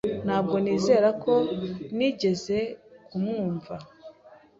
Ntabwo nizera ko nigeze kumwumva.